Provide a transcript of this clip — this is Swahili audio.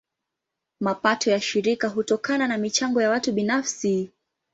Mapato ya shirika hutokana na michango ya watu binafsi.